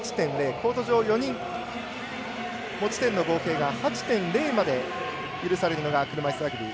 コート上、４人持ち点の合計が８．０まで許されるのが車いすラグビー。